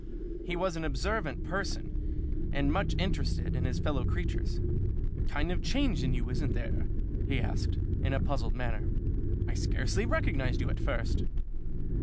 He was an observant person and much interested in his fellow creatures. "Kind of change in you, isn't there?" he asked, in a puzzled manner. "I scarcely recognized you at first."